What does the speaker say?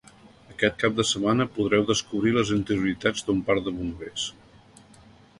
Aquest cap de setmana podreu descobrir les interioritats d’un parc de bombers.